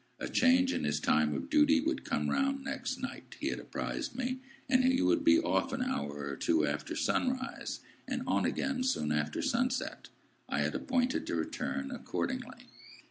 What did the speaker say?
A change in his time of duty would come round next night, he had apprised me, and he would be off an hour or two after sunrise, and on again soon after sunset. I had appointed to return accordingly.